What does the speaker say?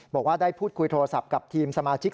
บอกว่าได้พูดคุยโทรศัพท์กับทีมสมาชิก